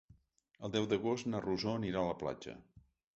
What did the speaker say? El deu d'agost na Rosó anirà a la platja.